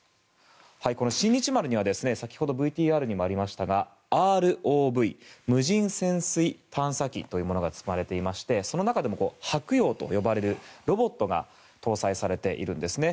この「新日丸」には先ほどＶＴＲにもありましたがＲＯＶ・無人潜水探査機というものが積まれていましてその中でも「はくよう」と呼ばれるロボットが搭載されているんですね。